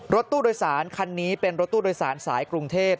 รถตู้โดยสารคันนี้เป็นรถตู้โดยสารสายกรุงเทพ